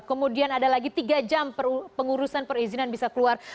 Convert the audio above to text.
kemudian ada lagi tiga jam pengurusan perizinan bisa keluar